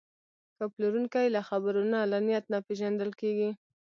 ښه پلورونکی له خبرو نه، له نیت نه پېژندل کېږي.